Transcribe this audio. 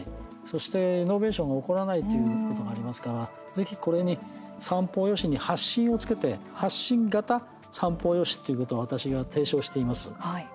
そして、イノベーションが起こらないということがありますから、ぜひこれに三方よしに発信をつけて発信型三方よしということを私が提唱しています。